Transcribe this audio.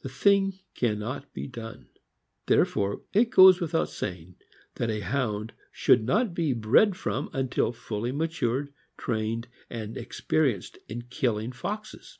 The thing can not be done. Therefore it goes without saying, that a Hound should not be bred from until fully matured, trained, and experienced in killing foxes.